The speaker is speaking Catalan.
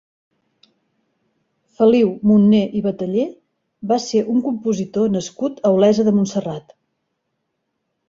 Feliu Monné i Batallé va ser un compositor nascut a Olesa de Montserrat.